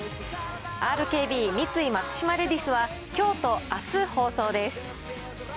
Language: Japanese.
ＲＫＢ×三井松島レディスは、きょうとあす放送です。